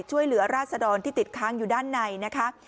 ช่วยเหลือราษฎรที่ติดค้างอยู่ด้านในนะคะ